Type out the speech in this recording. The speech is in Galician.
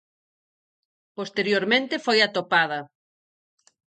Posteriormente foi atopada.